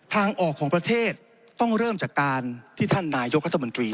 ทางออกของประเทศต้องเริ่มจากการที่ท่านนายกรัฐมนตรี